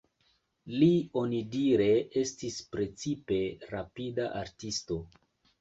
Li onidire estis precipe rapida artisto.